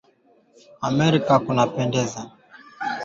vyakula kama huweza kutengenezw kutokana na viazi lishe